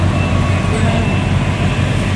ঠিক এভাবে না।